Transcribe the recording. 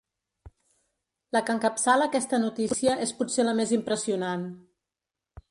La que encapçala aquesta notícia és potser la més impressionant.